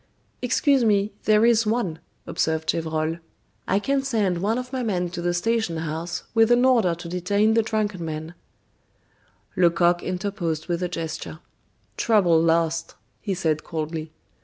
"Excuse me, there is one," observed Gevrol, "I can send one of my men to the station house with an order to detain the drunken man " Lecoq interposed with a gesture: "Trouble lost," he said coldly.